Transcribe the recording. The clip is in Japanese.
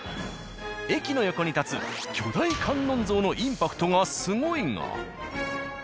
駅の横に立つ巨大観音像のインパクトがすごいが。